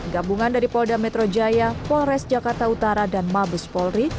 gabungan dari polda metro jaya polres jakarta utara dan mabes polri